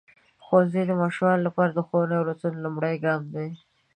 ښوونځی د ماشومانو لپاره د ښوونې او روزنې لومړنی ګام دی.